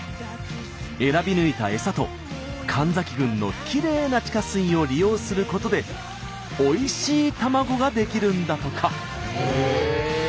選び抜いた餌と神崎郡のきれいな地下水を利用することでおいしい卵が出来るんだとか。